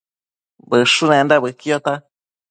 Bëshunenda bëquiota